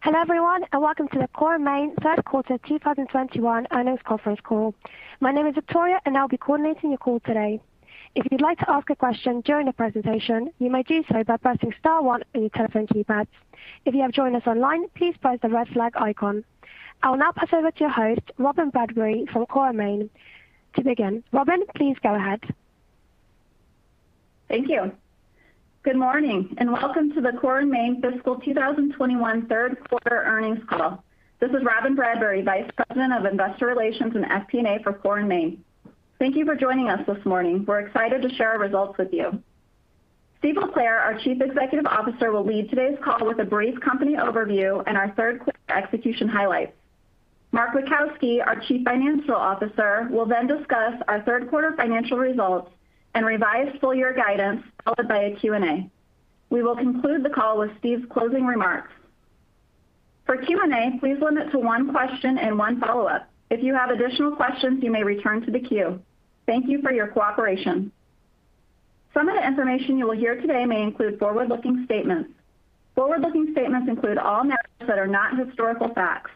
Hello, everyone, and welcome to the Core & Main third quarter 2021 earnings conference call. My name is Victoria and I'll be coordinating your call today. If you'd like to ask a question during the presentation, you may do so by pressing star one on your telephone keypads. If you have joined us online, please press the red flag icon. I will now pass over to your host, Robyn Bradbury from Core & Main to begin. Robyn, please go ahead. Thank you. Good morning, and welcome to the Core & Main fiscal 2021 third quarter earnings call. This is Robyn Bradbury, Vice President of Investor Relations and FP&A for Core & Main. Thank you for joining us this morning. We're excited to share our results with you. Steve LeClair, our Chief Executive Officer, will lead today's call with a brief company overview and our third quarter execution highlights. Mark Witkowski, our Chief Financial Officer, will then discuss our third quarter financial results and revised full-year guidance, followed by a Q&A. We will conclude the call with Steve's closing remarks. For Q&A, please limit to one question and one follow-up. If you have additional questions, you may return to the queue. Thank you for your cooperation. Some of the information you will hear today may include forward-looking statements. Forward-looking statements include all narratives that are not historical facts.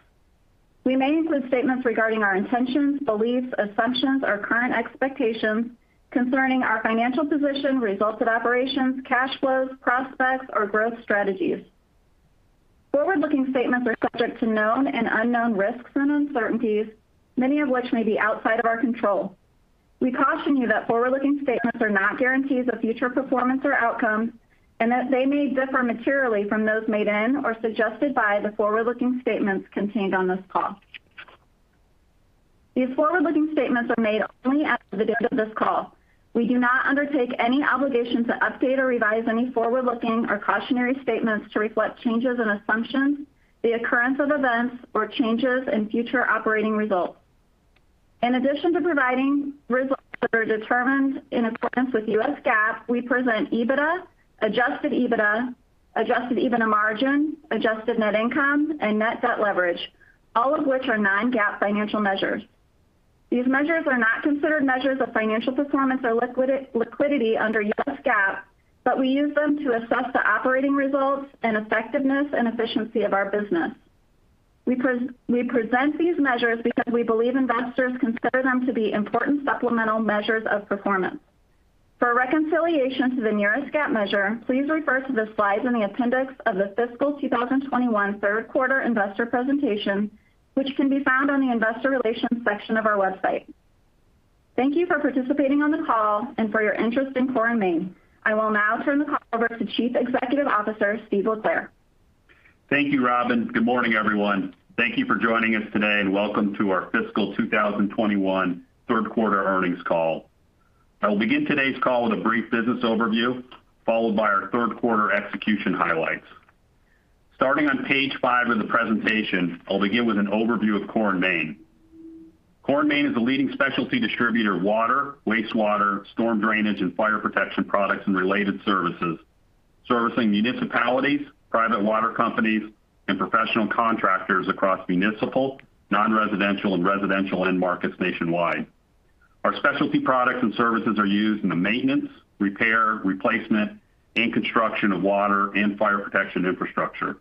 We may include statements regarding our intentions, beliefs, assumptions, or current expectations concerning our financial position, results of operations, cash flows, prospects, or growth strategies. Forward-looking statements are subject to known and unknown risks and uncertainties, many of which may be outside of our control. We caution you that forward-looking statements are not guarantees of future performance or outcomes, and that they may differ materially from those made in or suggested by the forward-looking statements contained on this call. These forward-looking statements are made only at the date of this call. We do not undertake any obligation to update or revise any forward-looking or cautionary statements to reflect changes in assumptions, the occurrence of events or changes in future operating results. In addition to providing results that are determined in accordance with U.S. GAAP, we present EBITDA, adjusted EBITDA, adjusted EBITDA margin, adjusted net income and net debt leverage, all of which are non-GAAP financial measures. These measures are not considered measures of financial performance or liquidity under U.S. GAAP, but we use them to assess the operating results and effectiveness and efficiency of our business. We present these measures because we believe investors consider them to be important supplemental measures of performance. For a reconciliation to the nearest GAAP measure, please refer to the slides in the appendix of the fiscal 2021 third quarter investor presentation, which can be found on the investor relations section of our website. Thank you for participating on the call and for your interest in Core & Main. I will now turn the call over to Chief Executive Officer, Steve LeClair. Thank you, Robin. Good morning, everyone. Thank you for joining us today, and welcome to our fiscal 2021 third quarter earnings call. I will begin today's call with a brief business overview, followed by our third quarter execution highlights. Starting on page 5 of the presentation, I'll begin with an overview of Core & Main. Core & Main is a leading specialty distributor of water, wastewater, storm drainage and fire protection products and related services, servicing municipalities, private water companies and professional contractors across municipal, non-residential and residential end markets nationwide. Our specialty products and services are used in the maintenance, repair, replacement and construction of water and fire protection infrastructure.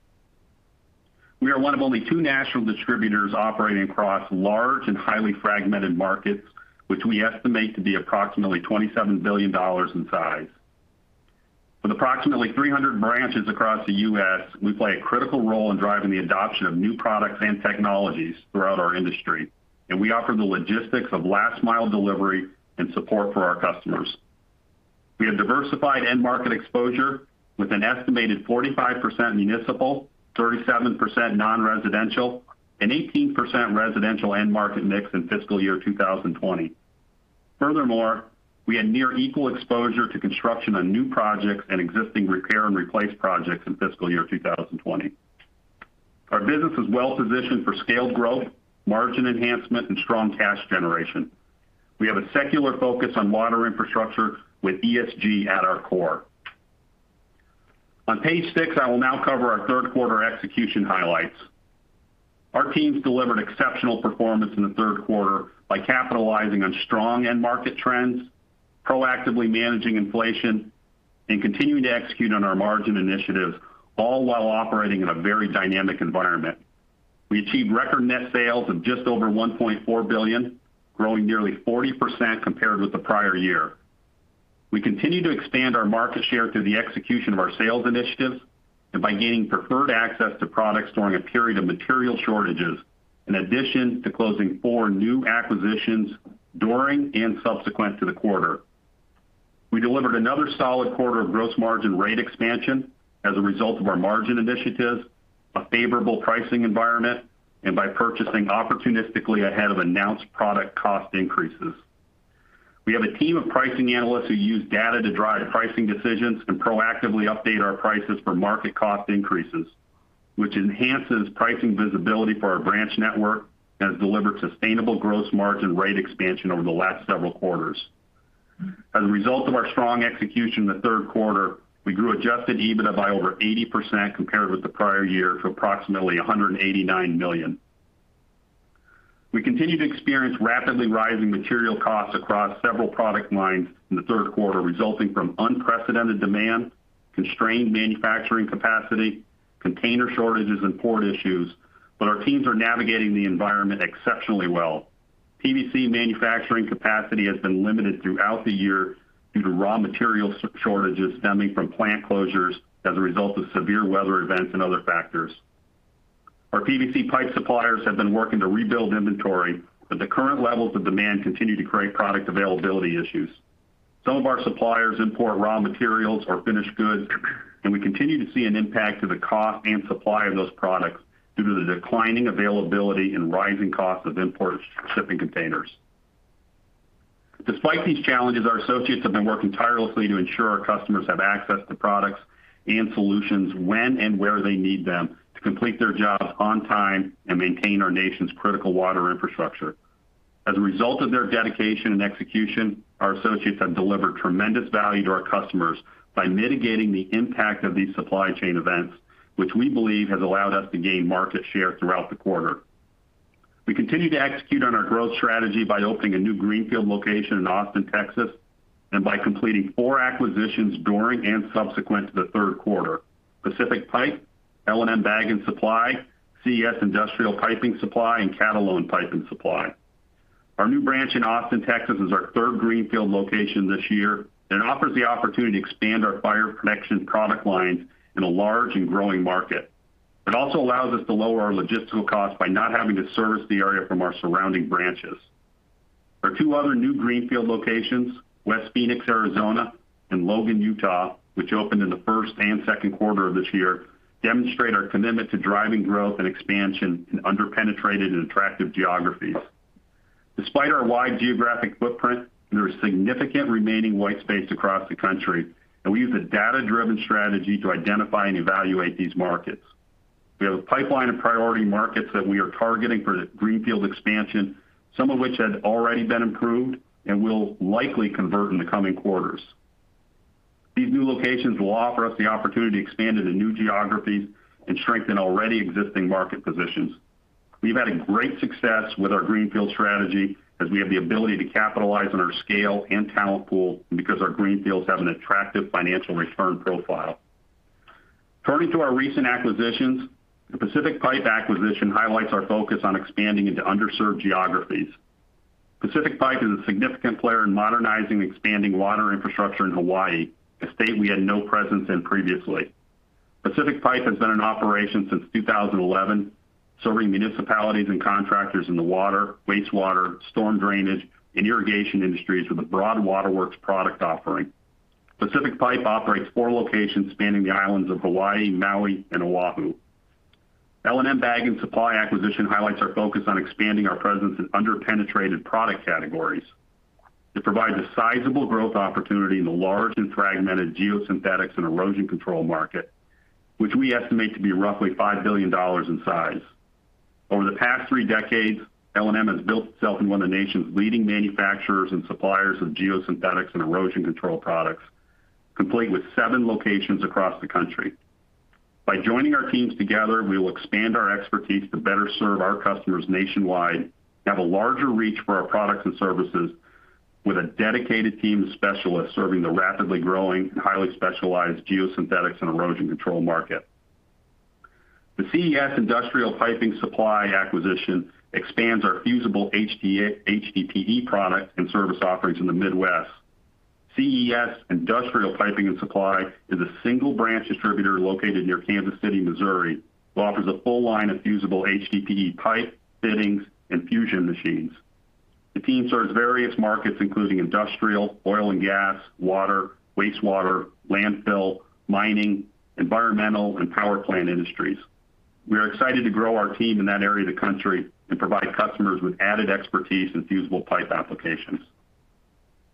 We are one of only two national distributors operating across large and highly fragmented markets, which we estimate to be approximately $27 billion in size. With approximately 300 branches across the U.S., we play a critical role in driving the adoption of new products and technologies throughout our industry, and we offer the logistics of last mile delivery and support for our customers. We have diversified end market exposure with an estimated 45% municipal, 37% non-residential, and 18% residential end market mix in fiscal year 2020. Furthermore, we had near equal exposure to construction on new projects and existing repair and replace projects in fiscal year 2020. Our business is well positioned for scaled growth, margin enhancement and strong cash generation. We have a secular focus on water infrastructure with ESG at our core. On page six, I will now cover our third quarter execution highlights. Our teams delivered exceptional performance in the third quarter by capitalizing on strong end market trends, proactively managing inflation and continuing to execute on our margin initiatives, all while operating in a very dynamic environment. We achieved record net sales of just over $1.4 billion, growing nearly 40% compared with the prior year. We continue to expand our market share through the execution of our sales initiatives and by gaining preferred access to products during a period of material shortages, in addition to closing four new acquisitions during and subsequent to the quarter. We delivered another solid quarter of gross margin rate expansion as a result of our margin initiatives, a favorable pricing environment, and by purchasing opportunistically ahead of announced product cost increases. We have a team of pricing analysts who use data to drive pricing decisions and proactively update our prices for market cost increases, which enhances pricing visibility for our branch network and has delivered sustainable gross margin rate expansion over the last several quarters. As a result of our strong execution in the third quarter, we grew adjusted EBITDA by over 80% compared with the prior year to approximately $189 million. We continue to experience rapidly rising material costs across several product lines in the third quarter, resulting from unprecedented demand, constrained manufacturing capacity, container shortages and port issues. Our teams are navigating the environment exceptionally well. PVC manufacturing capacity has been limited throughout the year due to raw material shortages stemming from plant closures as a result of severe weather events and other factors. Our PVC pipe suppliers have been working to rebuild inventory, but the current levels of demand continue to create product availability issues. Some of our suppliers import raw materials or finished goods, and we continue to see an impact to the cost and supply of those products due to the declining availability and rising cost of imported shipping containers. Despite these challenges, our associates have been working tirelessly to ensure our customers have access to products and solutions when and where they need them to complete their jobs on time and maintain our nation's critical water infrastructure. As a result of their dedication and execution, our associates have delivered tremendous value to our customers by mitigating the impact of these supply chain events, which we believe has allowed us to gain market share throughout the quarter. We continue to execute on our growth strategy by opening a new greenfield location in Austin, Texas, and by completing four acquisitions during and subsequent to the third quarter, Pacific Pipe, L&M Bag & Supply Despite our wide geographic footprint, there is significant remaining white space across the country, and we use a data-driven strategy to identify and evaluate these markets. We have a pipeline of priority markets that we are targeting for greenfield expansion, some of which had already been improved and will likely convert in the coming quarters. These new locations will offer us the opportunity to expand into new geographies and strengthen already existing market positions. We've had a great success with our greenfield strategy as we have the ability to capitalize on our scale and talent pool because our greenfields have an attractive financial return profile. Turning to our recent acquisitions, the Pacific Pipe acquisition highlights our focus on expanding into underserved geographies. Pacific Pipe is a significant player in modernizing and expanding water infrastructure in Hawaii, a state we had no presence in previously. Pacific Pipe has been in operation since 2011, serving municipalities and contractors in the water, wastewater, storm drainage, and irrigation industries with a broad waterworks product offering. Pacific Pipe operates four locations spanning the islands of Hawaii, Maui, and Oahu. L&M Bag and Supply acquisition highlights our focus on expanding our presence in under-penetrated product categories. It provides a sizable growth opportunity in the large and fragmented geosynthetics and erosion control market, which we estimate to be roughly $5 billion in size. Over the past three decades, L&M has built itself into one of the nation's leading manufacturers and suppliers of geosynthetics and erosion control products, complete with 7 locations across the country. By joining our teams together, we will expand our expertise to better serve our customers nationwide, have a larger reach for our products and services with a dedicated team of specialists serving the rapidly growing and highly specialized geosynthetics and erosion control market. The CES Industrial Piping Supply acquisition expands our fusible HDPE product and service offerings in the Midwest. CES Industrial Piping Supply is a single branch distributor located near Kansas City, Missouri, who offers a full line of fusible HDPE pipe, fittings, and fusion machines. The team serves various markets, including industrial, oil and gas, water, wastewater, landfill, mining, environmental, and power plant industries. We are excited to grow our team in that area of the country and provide customers with added expertise in fusible pipe applications.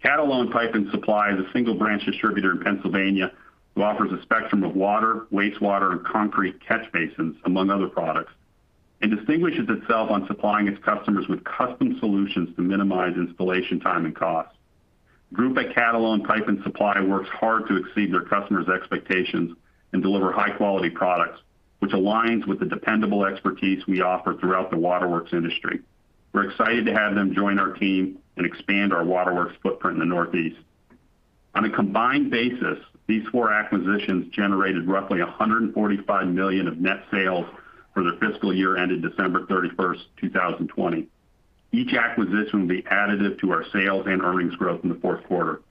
Catalone Pipe & Supply is a single branch distributor in Pennsylvania who offers a spectrum of water, wastewater, and concrete catch basins, among other products, and distinguishes itself on supplying its customers with custom solutions to minimize installation time and cost. Group at Catalone Pipe & Supply works hard to exceed their customers' expectations and deliver high-quality products, which aligns with the dependable expertise we offer throughout the waterworks industry. We're excited to have them join our team and expand our waterworks footprint in the Northeast. On a combined basis, these four acquisitions generated roughly $145 million of net sales for their fiscal year ended December 31, 2020. Each acquisition will be additive to our sales and earnings growth in the fourth quarter.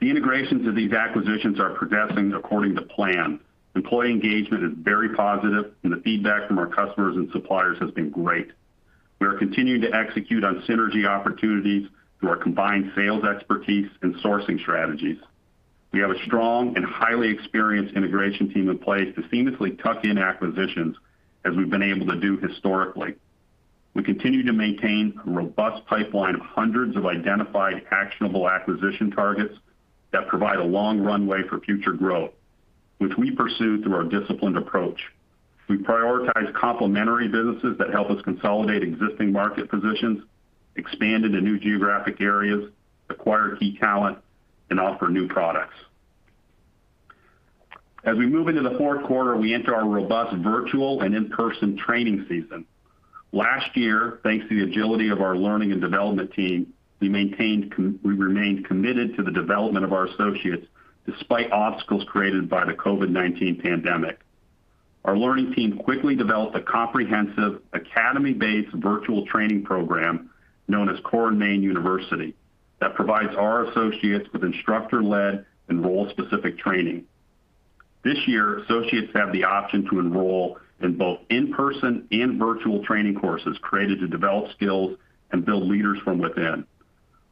The integrations of these acquisitions are progressing according to plan. Employee engagement is very positive, and the feedback from our customers and suppliers has been great. We are continuing to execute on synergy opportunities through our combined sales expertise and sourcing strategies. We have a strong and highly experienced integration team in place to seamlessly tuck in acquisitions as we've been able to do historically. We continue to maintain a robust pipeline of hundreds of identified, actionable acquisition targets that provide a long runway for future growth, which we pursue through our disciplined approach. We prioritize complementary businesses that help us consolidate existing market positions, expand into new geographic areas, acquire key talent, and offer new products. As we move into the fourth quarter, we enter our robust virtual and in-person training season. Last year, thanks to the agility of our learning and development team, we remained committed to the development of our associates despite obstacles created by the COVID-19 pandemic. Our learning team quickly developed a comprehensive academy-based virtual training program known as Core & Main University that provides our associates with instructor-led and role-specific training. This year, associates have the option to enroll in both in-person and virtual training courses created to develop skills and build leaders from within.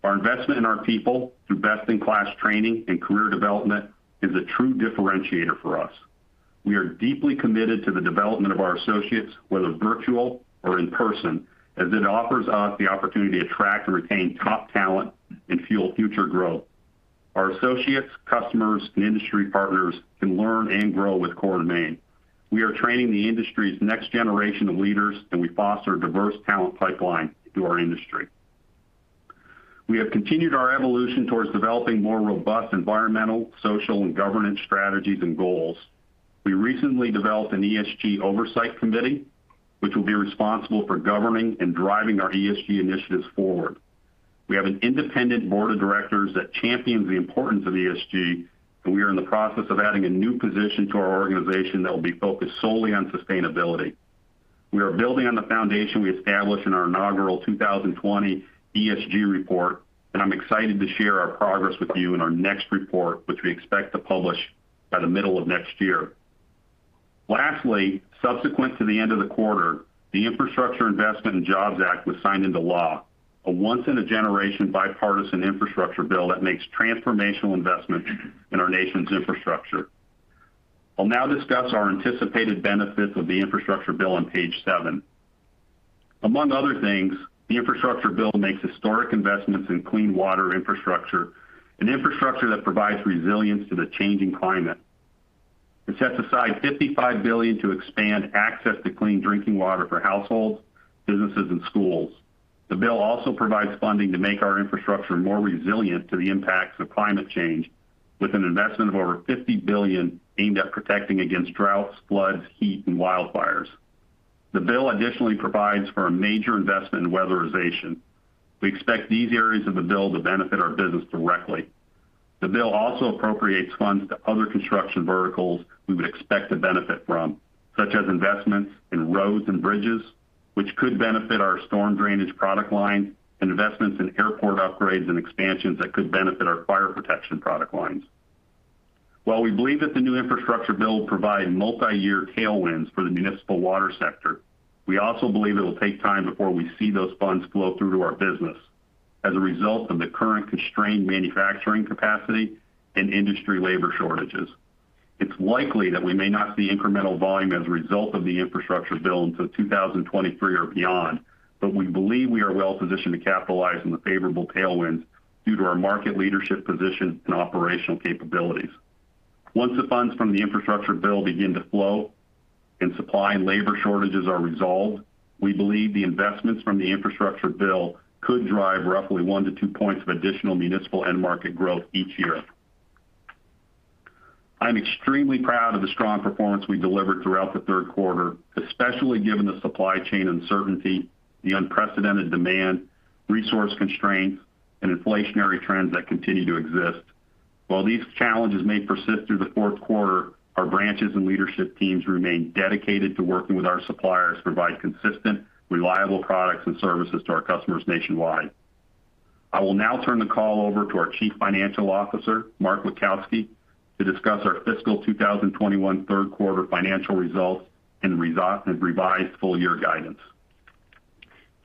Our investment in our people through best-in-class training and career development is a true differentiator for us. We are deeply committed to the development of our associates, whether virtual or in person, as it offers us the opportunity to attract and retain top talent and fuel future growth. Our associates, customers, and industry partners can learn and grow with Core & Main. We are training the industry's next generation of leaders, and we foster a diverse talent pipeline to our industry. We have continued our evolution towards developing more robust environmental, social, and governance strategies and goals. We recently developed an ESG oversight committee, which will be responsible for governing and driving our ESG initiatives forward. We have an independent board of directors that champions the importance of ESG, and we are in the process of adding a new position to our organization that will be focused solely on sustainability. We are building on the foundation we established in our inaugural 2020 ESG report, and I'm excited to share our progress with you in our next report, which we expect to publish by the middle of next year. Lastly, subsequent to the end of the quarter, the Infrastructure Investment and Jobs Act was signed into law, a once-in-a-generation bipartisan infrastructure bill that makes transformational investments in our nation's infrastructure. I'll now discuss our anticipated benefits of the infrastructure bill on page seven. Among other things, the infrastructure bill makes historic investments in clean water infrastructure, an infrastructure that provides resilience to the changing climate. It sets aside $55 billion to expand access to clean drinking water for households, businesses, and schools. The bill also provides funding to make our infrastructure more resilient to the impacts of climate change with an investment of over $50 billion aimed at protecting against droughts, floods, heat, and wildfires. The bill additionally provides for a major investment in weatherization. We expect these areas of the bill to benefit our business directly. The bill also appropriates funds to other construction verticals we would expect to benefit from, such as investments in roads and bridges, which could benefit our storm drainage product line and investments in airport upgrades and expansions that could benefit our fire protection product lines. While we believe that the new infrastructure bill will provide multiyear tailwinds for the municipal water sector, we also believe it will take time before we see those funds flow through to our business as a result of the current constrained manufacturing capacity and industry labor shortages. It's likely that we may not see incremental volume as a result of the infrastructure bill until 2023 or beyond, but we believe we are well-positioned to capitalize on the favorable tailwinds due to our market leadership position and operational capabilities. Once the funds from the infrastructure bill begin to flow and supply and labor shortages are resolved, we believe the investments from the infrastructure bill could drive roughly 1%-2% of additional municipal end market growth each year. I'm extremely proud of the strong performance we delivered throughout the third quarter, especially given the supply chain uncertainty, the unprecedented demand, resource constraints, and inflationary trends that continue to exist. While these challenges may persist through the fourth quarter, our branches and leadership teams remain dedicated to working with our suppliers to provide consistent, reliable products and services to our customers nationwide. I will now turn the call over to our Chief Financial Officer, Mark Witkowski, to discuss our fiscal 2021 third quarter financial results and revised full year guidance.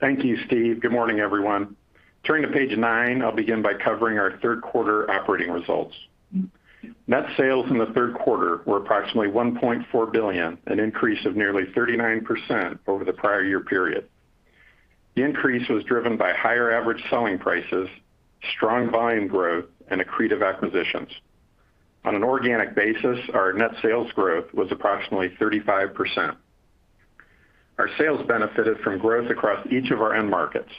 Thank you, Steve. Good morning, everyone. Turning to page 9, I'll begin by covering our third quarter operating results. Net sales in the third quarter were approximately $1.4 billion, an increase of nearly 39% over the prior year period. The increase was driven by higher average selling prices, strong volume growth, and accretive acquisitions. On an organic basis, our net sales growth was approximately 35%. Our sales benefited from growth across each of our end markets.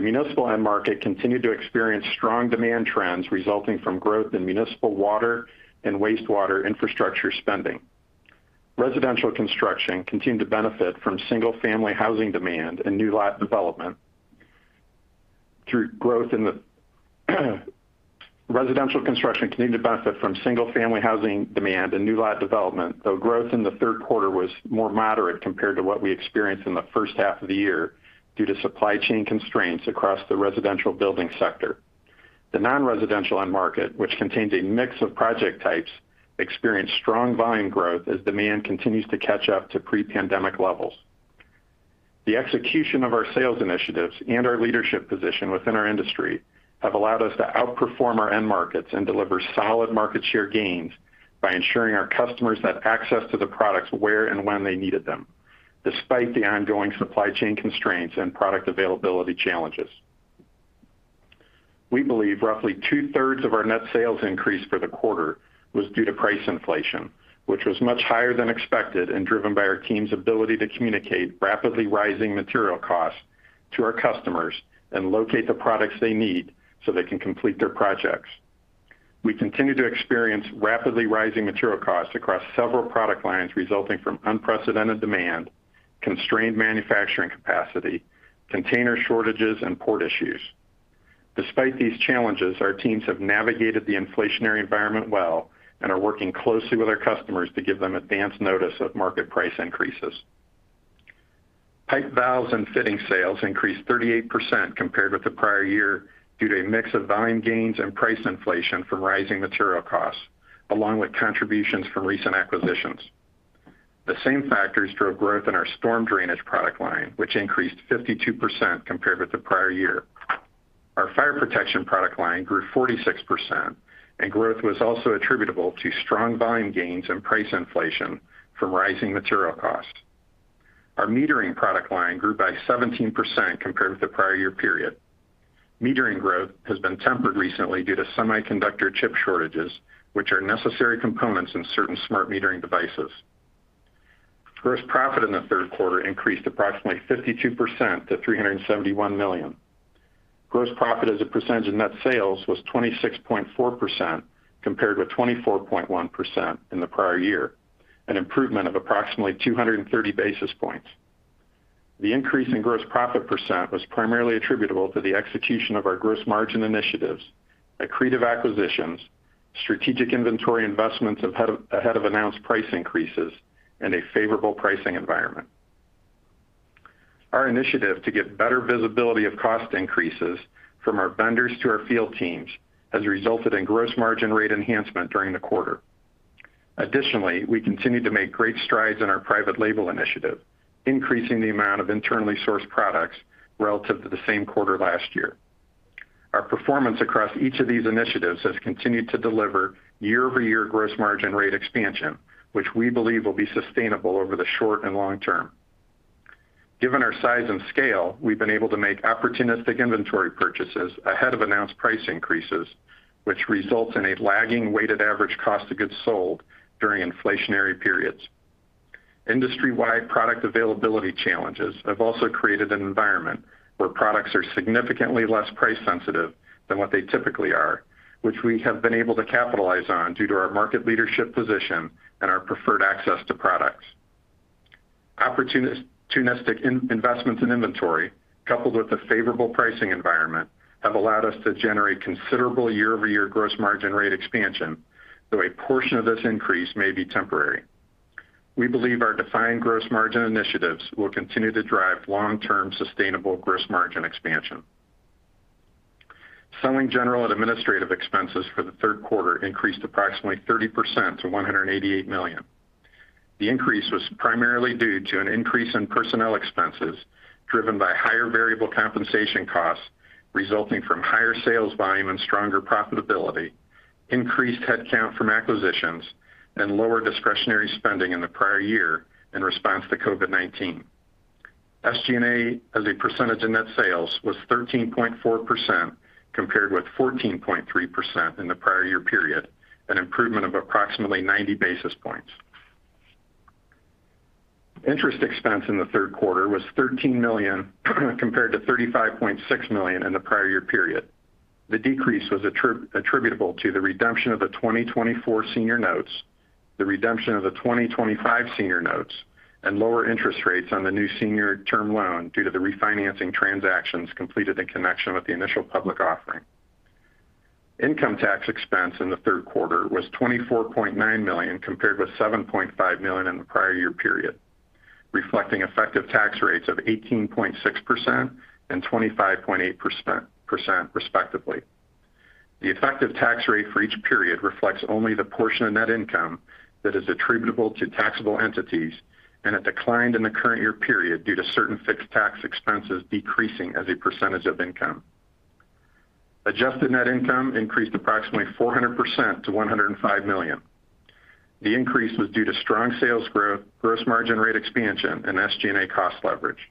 The municipal end market continued to experience strong demand trends resulting from growth in municipal water and wastewater infrastructure spending. Residential construction continued to benefit from single-family housing demand and new lot development, though growth in the third quarter was more moderate compared to what we experienced in the first half of the year due to supply chain constraints across the residential building sector. The non-residential end market, which contains a mix of project types, experienced strong volume growth as demand continues to catch up to pre-pandemic levels. The execution of our sales initiatives and our leadership position within our industry have allowed us to outperform our end markets and deliver solid market share gains by ensuring our customers had access to the products where and when they needed them, despite the ongoing supply chain constraints and product availability challenges. We believe roughly two-thirds of our net sales increase for the quarter was due to price inflation, which was much higher than expected and driven by our team's ability to communicate rapidly rising material costs to our customers and locate the products they need so they can complete their projects. We continue to experience rapidly rising material costs across several product lines resulting from unprecedented demand, constrained manufacturing capacity, container shortages and port issues. Despite these challenges, our teams have navigated the inflationary environment well and are working closely with our customers to give them advance notice of market price increases. Pipe, valves, and fittings sales increased 38% compared with the prior year due to a mix of volume gains and price inflation from rising material costs, along with contributions from recent acquisitions. The same factors drove growth in our storm drainage product line, which increased 52% compared with the prior year. Our fire protection product line grew 46%, and growth was also attributable to strong volume gains and price inflation from rising material costs. Our metering product line grew by 17% compared with the prior year period. Metering growth has been tempered recently due to semiconductor chip shortages, which are necessary components in certain smart metering devices. Gross profit in the third quarter increased approximately 52% to $371 million. Gross profit as a percentage of net sales was 26.4% compared with 24.1% in the prior year, an improvement of approximately 230 basis points. The increase in gross profit percent was primarily attributable to the execution of our gross margin initiatives, accretive acquisitions, strategic inventory investments ahead of announced price increases, and a favorable pricing environment. Our initiative to get better visibility of cost increases from our vendors to our field teams has resulted in gross margin rate enhancement during the quarter. Additionally, we continue to make great strides in our private label initiative, increasing the amount of internally sourced products relative to the same quarter last year. Our performance across each of these initiatives has continued to deliver year-over-year gross margin rate expansion, which we believe will be sustainable over the short and long term. Given our size and scale, we've been able to make opportunistic inventory purchases ahead of announced price increases, which results in a lagging weighted average cost of goods sold during inflationary periods. Industry-wide product availability challenges have also created an environment where products are significantly less price sensitive than what they typically are, which we have been able to capitalize on due to our market leadership position and our preferred access to products. Opportunistic investments in inventory, coupled with a favorable pricing environment, have allowed us to generate considerable year-over-year gross margin rate expansion, though a portion of this increase may be temporary. We believe our defined gross margin initiatives will continue to drive long-term sustainable gross margin expansion. Selling, general, and administrative expenses for the third quarter increased approximately 30% to $188 million. The increase was primarily due to an increase in personnel expenses driven by higher variable compensation costs resulting from higher sales volume and stronger profitability, increased headcount from acquisitions, and lower discretionary spending in the prior year in response to COVID-19. SG&A as a percentage of net sales was 13.4% compared with 14.3% in the prior year period, an improvement of approximately 90 basis points. Interest expense in the third quarter was $13 million compared to $35.6 million in the prior year period. The decrease was attributable to the redemption of the 2024 senior notes, the redemption of the 2025 senior notes, and lower interest rates on the new senior term loan due to the refinancing transactions completed in connection with the initial public offering. Income tax expense in the third quarter was $24.9 million compared with $7.5 million in the prior year period, reflecting effective tax rates of 18.6% and 25.8% respectively. The effective tax rate for each period reflects only the portion of net income that is attributable to taxable entities and it declined in the current year period due to certain fixed tax expenses decreasing as a percentage of income. Adjusted net income increased approximately 400% to $105 million. The increase was due to strong sales growth, gross margin rate expansion, and SG&A cost leverage.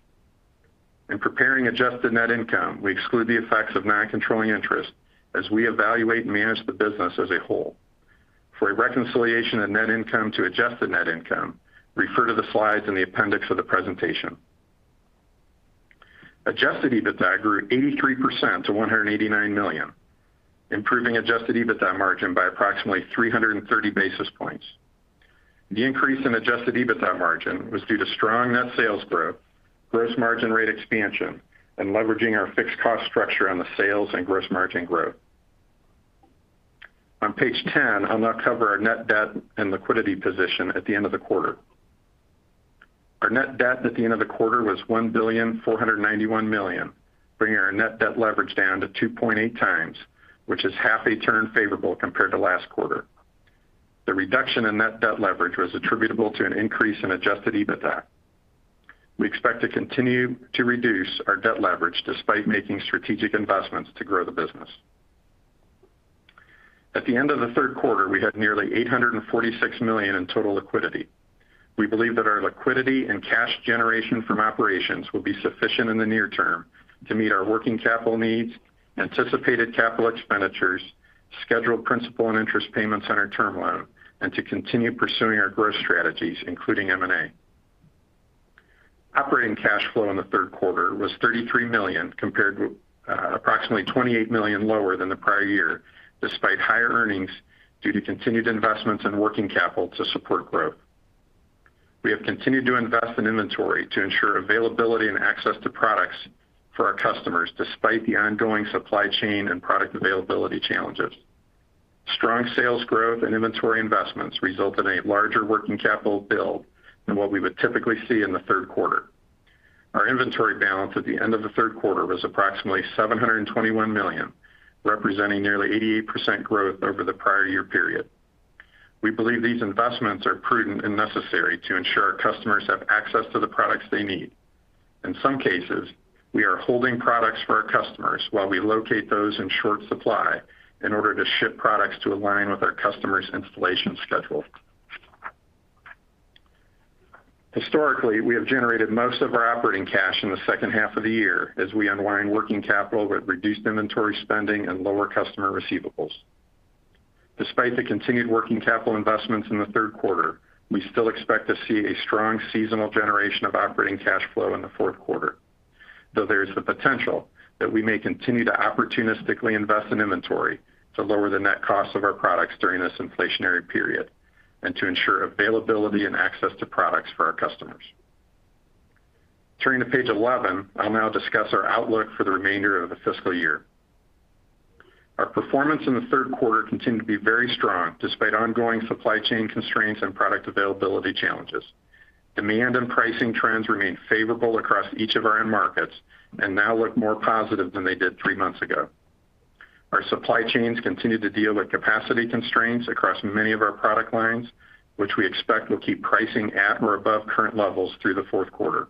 In preparing adjusted net income, we exclude the effects of non-controlling interest as we evaluate and manage the business as a whole. For a reconciliation of net income to adjusted net income, refer to the slides in the appendix of the presentation. Adjusted EBITDA grew 83% to $189 million, improving adjusted EBITDA margin by approximately 330 basis points. The increase in adjusted EBITDA margin was due to strong net sales growth, gross margin rate expansion, and leveraging our fixed cost structure on the sales and gross margin growth. On page 10, I'll now cover our net debt and liquidity position at the end of the quarter. Our net debt at the end of the quarter was $1.491 billion, bringing our net debt leverage down to 2.8x, which is half a turn favorable compared to last quarter. The reduction in net debt leverage was attributable to an increase in adjusted EBITDA. We expect to continue to reduce our debt leverage despite making strategic investments to grow the business. At the end of the third quarter, we had nearly $846 million in total liquidity. We believe that our liquidity and cash generation from operations will be sufficient in the near term to meet our working capital needs, anticipated capital expenditures, scheduled principal and interest payments on our term loan, and to continue pursuing our growth strategies, including M&A. Operating cash flow in the third quarter was $33 million compared with approximately $28 million lower than the prior year, despite higher earnings due to continued investments in working capital to support growth. We have continued to invest in inventory to ensure availability and access to products for our customers despite the ongoing supply chain and product availability challenges. Strong sales growth and inventory investments result in a larger working capital build than what we would typically see in the third quarter. Our inventory balance at the end of the third quarter was approximately $721 million, representing nearly 88% growth over the prior year period. We believe these investments are prudent and necessary to ensure our customers have access to the products they need. In some cases, we are holding products for our customers while we locate those in short supply in order to ship products to align with our customers' installation schedule. Historically, we have generated most of our operating cash in the second half of the year as we unwind working capital with reduced inventory spending and lower customer receivables. Despite the continued working capital investments in the third quarter, we still expect to see a strong seasonal generation of operating cash flow in the fourth quarter, though there is the potential that we may continue to opportunistically invest in inventory to lower the net cost of our products during this inflationary period and to ensure availability and access to products for our customers. Turning to page eleven, I'll now discuss our outlook for the remainder of the fiscal year. Our performance in the third quarter continued to be very strong despite ongoing supply chain constraints and product availability challenges. Demand and pricing trends remain favorable across each of our end markets and now look more positive than they did three months ago. Our supply chains continue to deal with capacity constraints across many of our product lines, which we expect will keep pricing at or above current levels through the fourth quarter.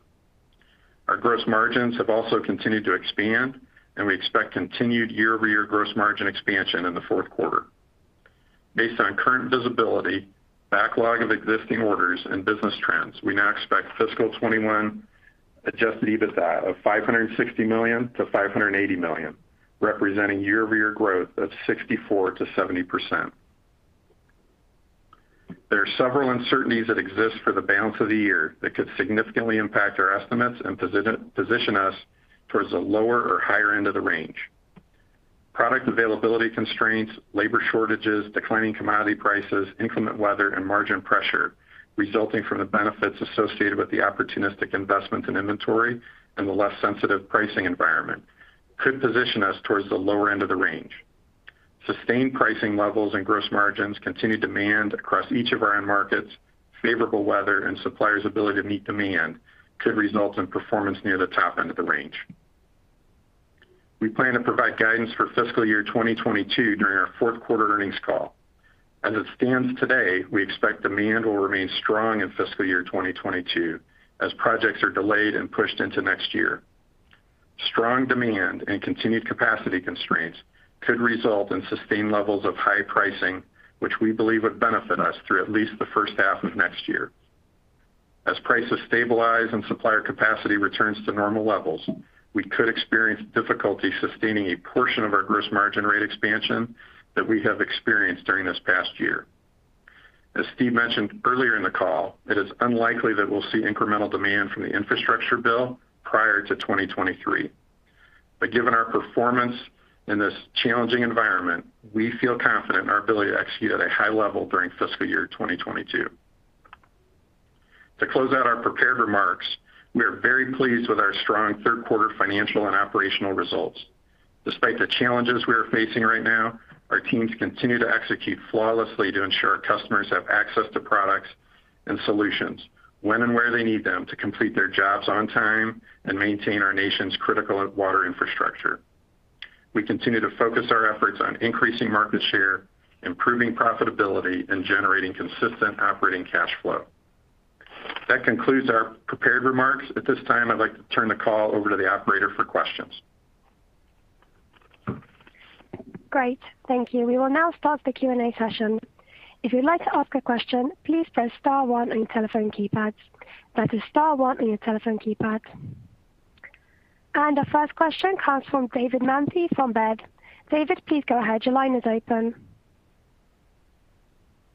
Our gross margins have also continued to expand, and we expect continued year-over-year gross margin expansion in the fourth quarter. Based on current visibility, backlog of existing orders and business trends, we now expect fiscal 2021 adjusted EBITDA of $560 million-$580 million, representing year-over-year growth of 64%-70%. There are several uncertainties that exist for the balance of the year that could significantly impact our estimates and position us towards the lower or higher end of the range. Product availability constraints, labor shortages, declining commodity prices, inclement weather and margin pressure resulting from the benefits associated with the opportunistic investments in inventory and the less sensitive pricing environment could position us towards the lower end of the range. Sustained pricing levels and gross margins, continued demand across each of our end markets, favorable weather and suppliers' ability to meet demand could result in performance near the top end of the range. We plan to provide guidance for fiscal year 2022 during our fourth quarter earnings call. As it stands today, we expect demand will remain strong in fiscal year 2022 as projects are delayed and pushed into next year. Strong demand and continued capacity constraints could result in sustained levels of high pricing, which we believe would benefit us through at least the first half of next year. As prices stabilize and supplier capacity returns to normal levels, we could experience difficulty sustaining a portion of our gross margin rate expansion that we have experienced during this past year. As Steve mentioned earlier in the call, it is unlikely that we'll see incremental demand from the infrastructure bill prior to 2023. Given our performance in this challenging environment, we feel confident in our ability to execute at a high level during fiscal year 2022. To close out our prepared remarks, we are very pleased with our strong third quarter financial and operational results. Despite the challenges we are facing right now, our teams continue to execute flawlessly to ensure our customers have access to products and solutions when and where they need them to complete their jobs on time and maintain our nation's critical water infrastructure. We continue to focus our efforts on increasing market share, improving profitability, and generating consistent operating cash flow. That concludes our prepared remarks. At this time, I'd like to turn the call over to the operator for questions. Great. Thank you. We will now start the Q&A session. If you'd like to ask a question, please press star one on your telephone keypads. That is star one on your telephone keypad. Our first question comes from David Manthey from Robert W. Baird & Co. David, please go ahead. Your line is open.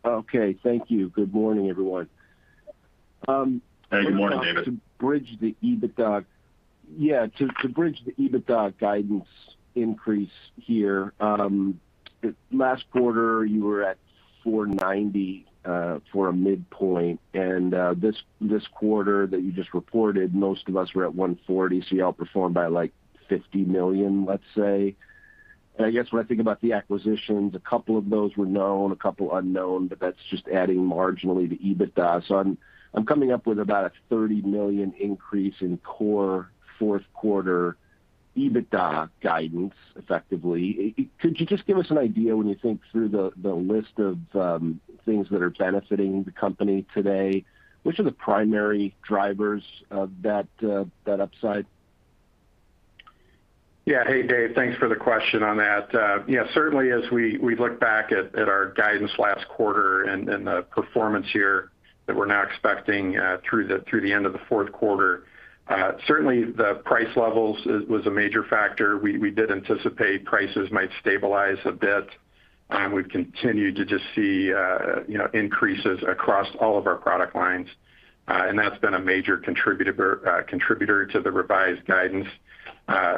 Okay, thank you. Good morning, everyone. Hey, good morning, David. To bridge the EBITDA guidance increase here, last quarter you were at 490 for a midpoint, and this quarter that you just reported, most of us were at 140, so you outperformed by like $50 million, let's say. I guess when I think about the acquisitions, a couple of those were known, a couple unknown, but that's just adding marginally to EBITDA. I'm coming up with about a $30 million increase in core fourth quarter EBITDA guidance effectively. Could you just give us an idea when you think through the list of things that are benefiting the company today, which are the primary drivers of that upside? Yeah. Hey, Dave. Thanks for the question on that. Yeah, certainly as we look back at our guidance last quarter and the performance here that we're now expecting through the end of the fourth quarter, certainly the price levels was a major factor. We did anticipate prices might stabilize a bit. We've continued to just see, you know, increases across all of our product lines. That's been a major contributor to the revised guidance.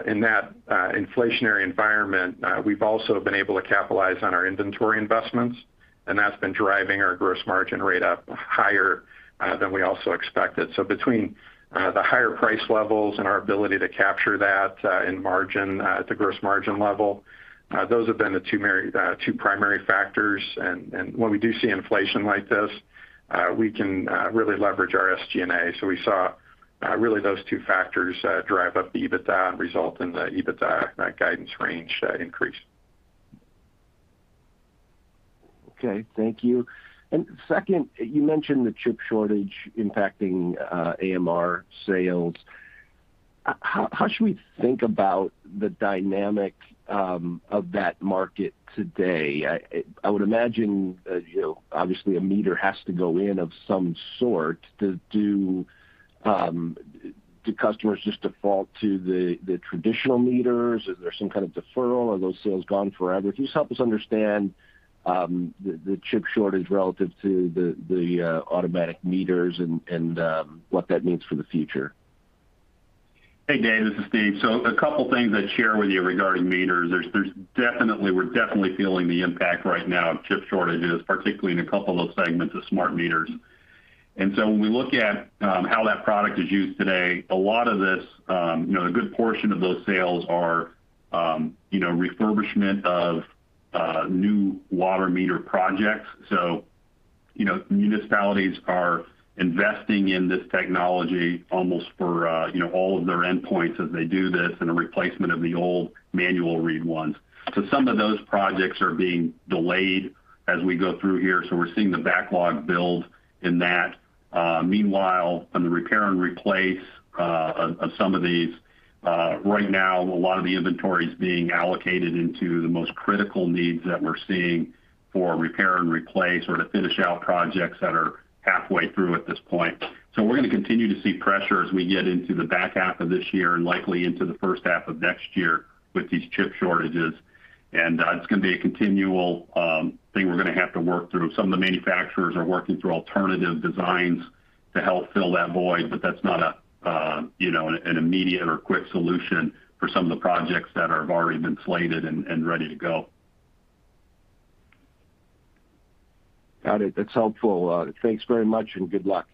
In that inflationary environment, we've also been able to capitalize on our inventory investments, and that's been driving our gross margin rate up higher than we also expected. Between the higher price levels and our ability to capture that in margin at the gross margin level, those have been the two primary factors. When we do see inflation like this, we can really leverage our SG&A. We saw really those two factors drive up the EBITDA and result in the EBITDA and that guidance range increase. Okay. Thank you. Second, you mentioned the chip shortage impacting AMR sales. How should we think about the dynamic of that market today? I would imagine, as you know, obviously a meter has to go in of some sort. Do customers just default to the traditional meters? Is there some kind of deferral? Are those sales gone forever? Can you just help us understand the chip shortage relative to the automatic meters and what that means for the future? Hey, David, this is Steve. A couple things I'd share with you regarding meters. We're definitely feeling the impact right now of chip shortages, particularly in a couple of segments of smart meters. When we look at how that product is used today, a lot of this, you know, a good portion of those sales are, you know, refurbishment of new water meter projects. You know, municipalities are investing in this technology almost for, you know, all of their endpoints as they do this and a replacement of the old manual read ones. Some of those projects are being delayed as we go through here, so we're seeing the backlog build in that. Meanwhile, on the repair and replace, of some of these, right now a lot of the inventory is being allocated into the most critical needs that we're seeing for repair and replace or to finish out projects that are halfway through at this point. We're gonna continue to see pressure as we get into the back half of this year and likely into the first half of next year with these chip shortages. It's gonna be a continual, thing we're gonna have to work through. Some of the manufacturers are working through alternative designs to help fill that void, but that's not a, you know, an immediate or quick solution for some of the projects that have already been slated and ready to go. Got it. That's helpful. Thanks very much and good luck.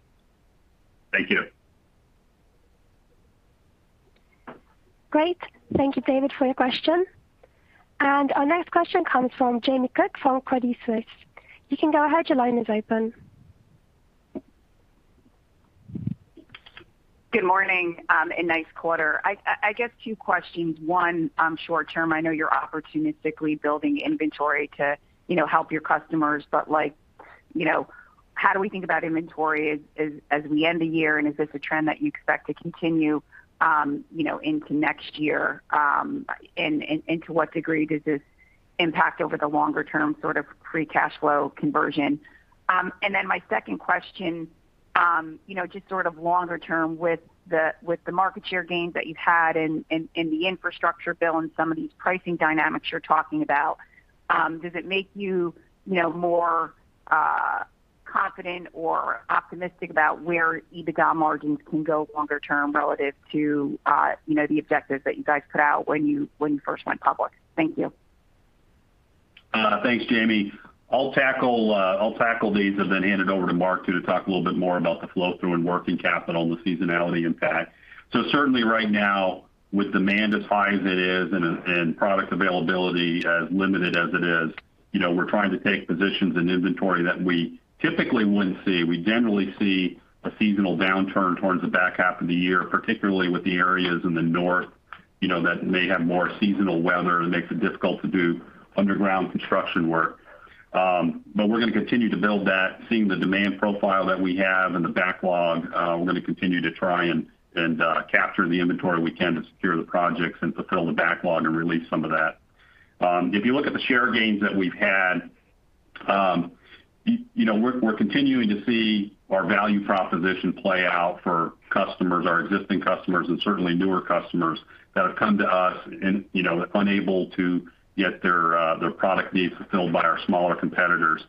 Thank you. Great. Thank you, David Manthey, for your question. Our next question comes from Jamie Cook from Truist Securities. You can go ahead. Your line is open. Good morning and nice quarter. I guess two questions. One, short term, I know you're opportunistically building inventory to, you know, help your customers, but like, you know, how do we think about inventory as we end the year, and is this a trend that you expect to continue, you know, into next year? To what degree does this impact over the longer term sort of free cash flow conversion? My second question, you know, just sort of longer term with the market share gains that you've had in the infrastructure bill and some of these pricing dynamics you're talking about, does it make you know, more confident or optimistic about where EBITDA margins can go longer term relative to the objectives that you guys put out when you first went public? Thank you. Thanks, Jamie. I'll tackle these and then hand it over to Mark to talk a little bit more about the flow through and working capital and the seasonality impact. Certainly right now, with demand as high as it is and product availability as limited as it is, you know, we're trying to take positions in inventory that we typically wouldn't see. We generally see a seasonal downturn towards the back half of the year, particularly with the areas in the north, you know, that may have more seasonal weather that makes it difficult to do underground construction work. We're gonna continue to build that, seeing the demand profile that we have and the backlog. We're gonna continue to try and capture the inventory we can to secure the projects and fulfill the backlog and release some of that. If you look at the share gains that we've had, you know, we're continuing to see our value proposition play out for customers, our existing customers and certainly newer customers that have come to us and, you know, unable to get their their product needs fulfilled by our smaller competitors.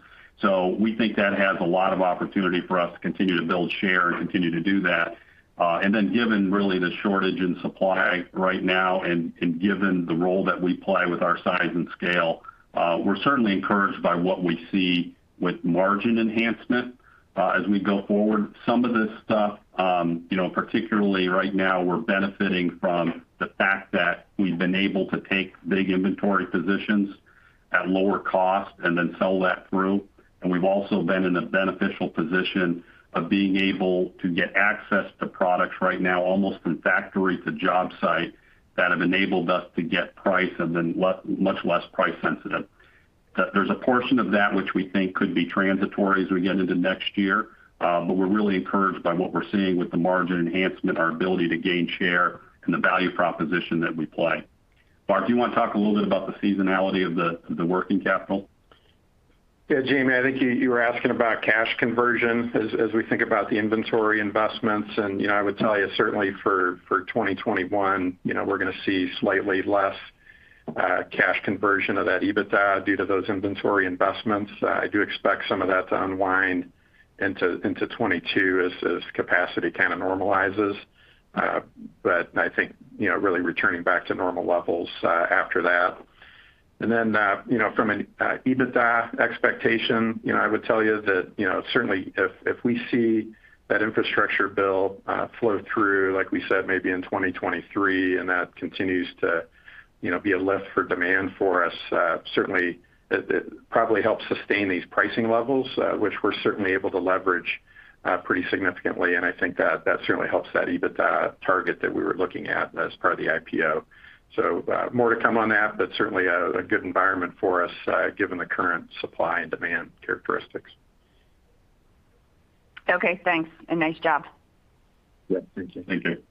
We think that has a lot of opportunity for us to continue to build share and continue to do that. Given really the shortage in supply right now and given the role that we play with our size and scale, we're certainly encouraged by what we see with margin enhancement, as we go forward. Some of this stuff, you know, particularly right now, we're benefiting from the fact that we've been able to take big inventory positions at lower cost and then sell that through. We've also been in the beneficial position of being able to get access to products right now, almost from factory to job site that have enabled us to get price and then much less price sensitive. There's a portion of that which we think could be transitory as we get into next year, but we're really encouraged by what we're seeing with the margin enhancement, our ability to gain share and the value proposition that we play. Mark, do you want to talk a little bit about the seasonality of the working capital? Yeah, Jamie, I think you were asking about cash conversion as we think about the inventory investments. You know, I would tell you certainly for 2021, you know, we're gonna see slightly less cash conversion of that EBITDA due to those inventory investments. I do expect some of that to unwind into 2022 as capacity kind of normalizes. I think, you know, really returning back to normal levels after that. From an EBITDA expectation, you know, I would tell you that, you know, certainly if we see that infrastructure bill flow through, like we said, maybe in 2023, and that continues to, you know, be a lift for demand for us, certainly it probably helps sustain these pricing levels, which we're certainly able to leverage pretty significantly. I think that certainly helps that EBITDA target that we were looking at as part of the IPO. More to come on that, but certainly a good environment for us, given the current supply and demand characteristics. Okay, thanks, and nice job. Yeah, thank you. Thank you.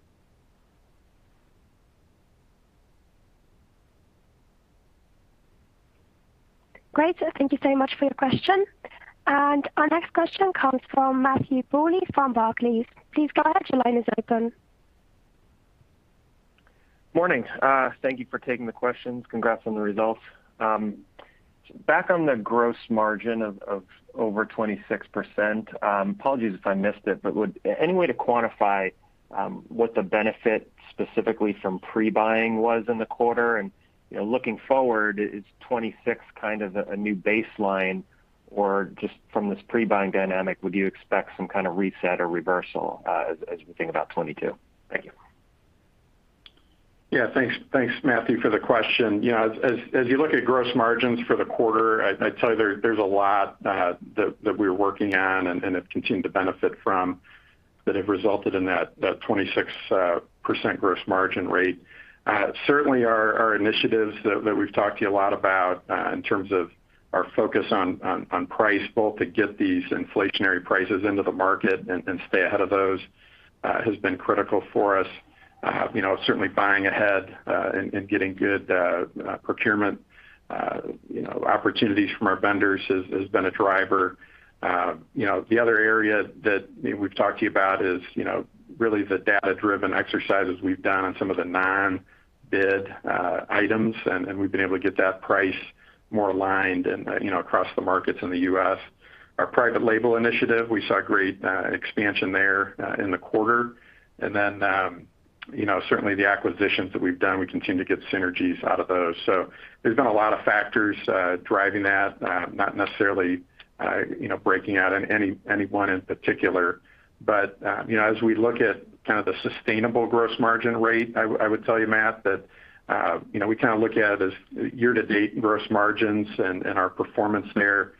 Great. Thank you so much for your question. Our next question comes from Matthew Bouley from Barclays. Please go ahead. Your line is open. Morning. Thank you for taking the questions. Congrats on the results. Back on the gross margin of over 26%, apologies if I missed it, but any way to quantify what the benefit specifically from pre-buying was in the quarter? You know, looking forward, is 26 kind of a new baseline, or just from this pre-buying dynamic, would you expect some kind of reset or reversal as we think about 2022? Thank you. Yeah. Thanks, Matthew, for the question. You know, as you look at gross margins for the quarter, I'd tell you there's a lot that we're working on and have continued to benefit from that have resulted in that 26% gross margin rate. Certainly our initiatives that we've talked to you a lot about in terms of our focus on price, both to get these inflationary prices into the market and stay ahead of those, has been critical for us. You know, certainly buying ahead and getting good procurement opportunities from our vendors has been a driver. You know, the other area that we've talked to you about is, you know, really the data-driven exercises we've done on some of the non-bid items, and we've been able to get that price more aligned and, you know, across the markets in the U.S. Our private label initiative, we saw great expansion there in the quarter. You know, certainly the acquisitions that we've done, we continue to get synergies out of those. There's been a lot of factors driving that, not necessarily, you know, breaking out any one in particular. You know, as we look at kind of the sustainable gross margin rate, I would tell you, Matt, that, you know, we kind of look at it as year to date gross margins and our performance there.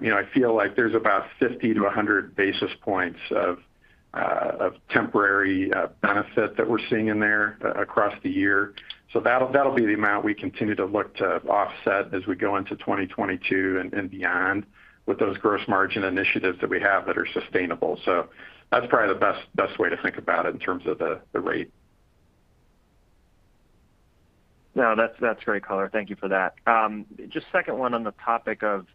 You know, I feel like there's about 50-100 basis points of temporary benefit that we're seeing in there across the year. That'll be the amount we continue to look to offset as we go into 2022 and beyond with those gross margin initiatives that we have that are sustainable. That's probably the best way to think about it in terms of the rate. No, that's great color. Thank you for that. Just the second one on the topic of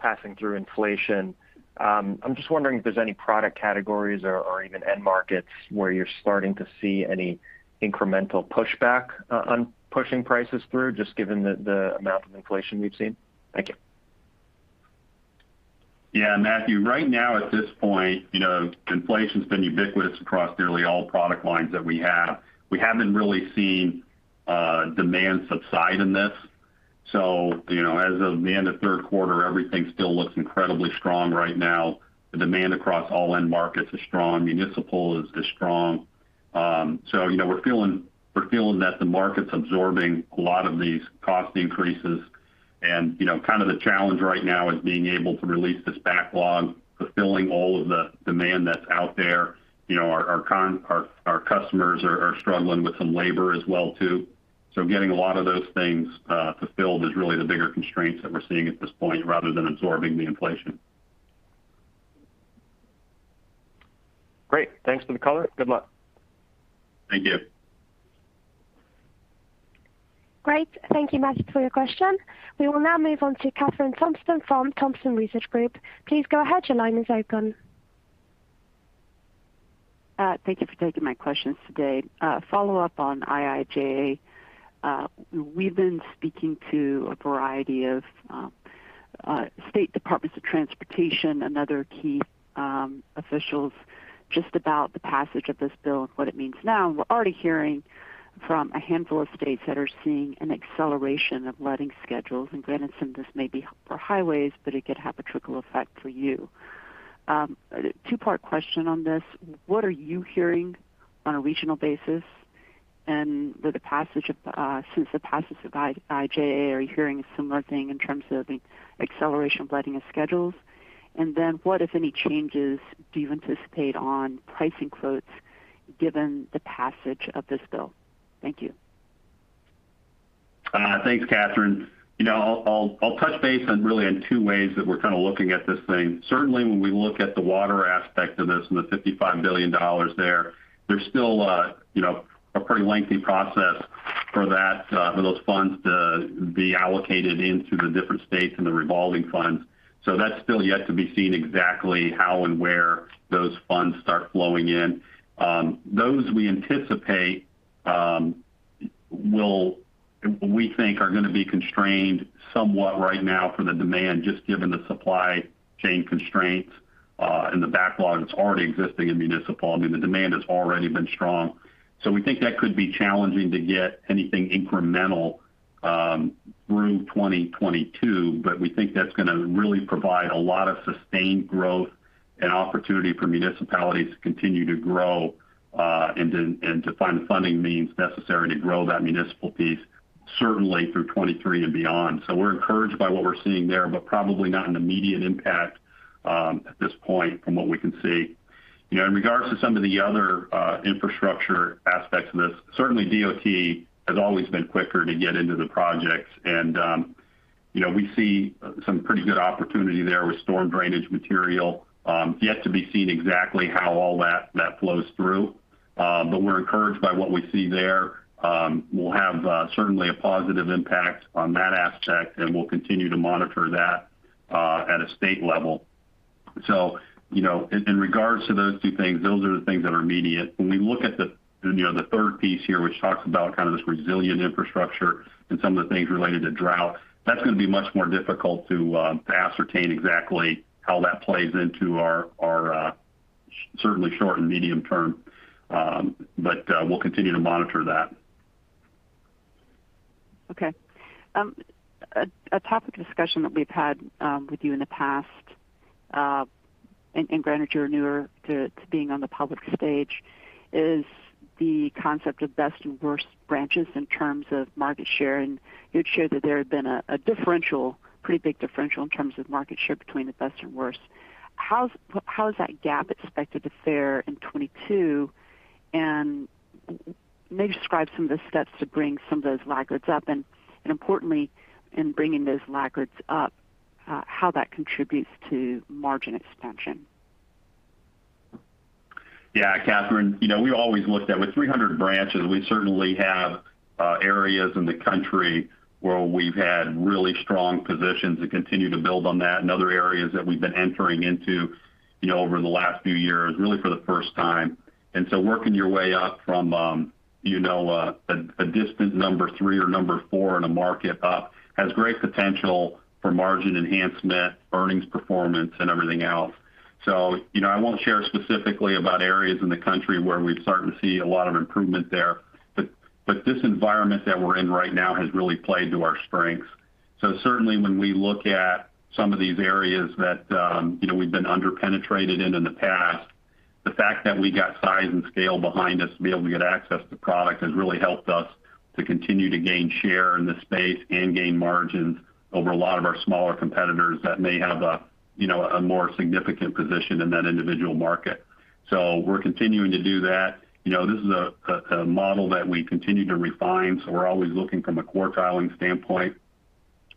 passing through inflation. I'm just wondering if there's any product categories or even end markets where you're starting to see any incremental pushback on pushing prices through, just given the amount of inflation we've seen. Thank you. Yeah, Matthew, right now at this point, you know, inflation's been ubiquitous across nearly all product lines that we have. We haven't really seen demand subside in this. You know, as of the end of third quarter, everything still looks incredibly strong right now. The demand across all end markets is strong. Municipal is strong. You know, we're feeling that the market's absorbing a lot of these cost increases. You know, kind of the challenge right now is being able to release this backlog, fulfilling all of the demand that's out there. You know, our customers are struggling with some labor as well too. Getting a lot of those things fulfilled is really the bigger constraints that we're seeing at this point rather than absorbing the inflation. Great. Thanks for the color. Good luck. Thank you. Great. Thank you, Matthew, for your question. We will now move on to Kathryn Thompson from Thompson Research Group. Please go ahead. Your line is open. Thank you for taking my questions today. Follow up on IIJA. We've been speaking to a variety of state departments of transportation and other key officials just about the passage of this bill and what it means now. We're already hearing from a handful of states that are seeing an acceleration of letting schedules. Granted, some of this may be for highways, but it could have a trickle effect for you. Two-part question on this. What are you hearing on a regional basis? Since the passage of IIJA, are you hearing a similar thing in terms of the acceleration of letting schedules? What, if any, changes do you anticipate on pricing quotes given the passage of this bill? Thank you. Thanks, Kathryn. You know, I'll touch base on really on two ways that we're kind of looking at this thing. Certainly, when we look at the water aspect of this and the $55 billion there's still a, you know, a pretty lengthy process. For that, for those funds to be allocated into the different states and the revolving funds. That's still yet to be seen exactly how and where those funds start flowing in. Those we anticipate we think are gonna be constrained somewhat right now for the demand, just given the supply chain constraints, and the backlog that's already existing in municipal. I mean, the demand has already been strong. We think that could be challenging to get anything incremental through 2022, but we think that's gonna really provide a lot of sustained growth and opportunity for municipalities to continue to grow, and to find the funding means necessary to grow that municipal piece, certainly through 2023 and beyond. We're encouraged by what we're seeing there, but probably not an immediate impact at this point from what we can see. You know, in regards to some of the other infrastructure aspects of this, certainly DOT has always been quicker to get into the projects. We see some pretty good opportunity there with storm drainage material, yet to be seen exactly how all that flows through. We're encouraged by what we see there. We'll have certainly a positive impact on that aspect, and we'll continue to monitor that at a state level. You know, in regards to those two things, those are the things that are immediate. When we look at the, you know, the third piece here, which talks about kind of this resilient infrastructure and some of the things related to drought, that's gonna be much more difficult to ascertain exactly how that plays into our certainly short and medium term. We'll continue to monitor that. Okay. A topic of discussion that we've had with you in the past, and granted you're newer to being on the public stage, is the concept of best and worst branches in terms of market share. You'd shared that there had been a differential, pretty big differential in terms of market share between the best and worst. How's that gap expected to fare in 2022? Maybe describe some of the steps to bring some of those laggards up and importantly in bringing those laggards up, how that contributes to margin expansion. Yeah, Kathryn. You know, we always looked at, with 300 branches, we certainly have areas in the country where we've had really strong positions and continue to build on that, and other areas that we've been entering into, you know, over the last few years, really for the first time. Working your way up from a distant number three or number four in a market up has great potential for margin enhancement, earnings performance and everything else. You know, I won't share specifically about areas in the country where we've started to see a lot of improvement there. This environment that we're in right now has really played to our strengths. Certainly when we look at some of these areas that, you know, we've been under-penetrated in the past, the fact that we got size and scale behind us to be able to get access to product has really helped us to continue to gain share in the space and gain margins over a lot of our smaller competitors that may have a, you know, a more significant position in that individual market. We're continuing to do that. You know, this is a model that we continue to refine, so we're always looking from a quartiling standpoint